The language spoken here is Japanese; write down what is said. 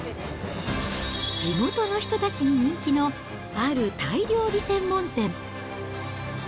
地元の人たちに人気の、あるタイ料理専門店。